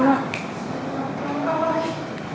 มีไหวไหมพี่